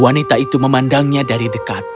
wanita itu memandangnya dari dekat